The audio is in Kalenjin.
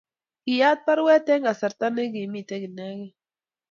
kiyaat baruet Eng' kasarta ne kimito inegei